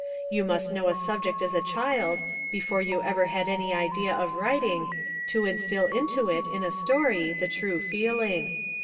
You must know a subject as a child, before you ever had any idea of writing, to instill into it, in a story, the true feeling.